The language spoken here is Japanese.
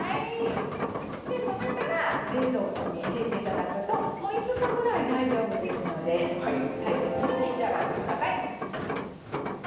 冷めたら冷蔵庫に入れていただくと５日ぐらい大丈夫ですので大切に召し上がってください。